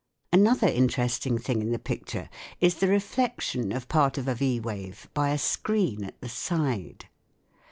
Another interesting 1 84 THE WORLD OF SOUND thing in the picture is the reflection of part of a V wave by a screen at the side.